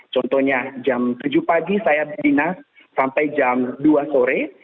contohnya jam tujuh pagi saya berdinas sampai jam dua sore